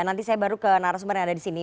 nanti saya baru ke narasumber yang ada disini